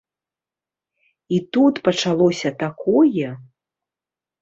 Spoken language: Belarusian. І тут пачалося такое!